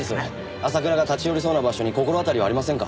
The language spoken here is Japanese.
朝倉が立ち寄りそうな場所に心当たりはありませんか？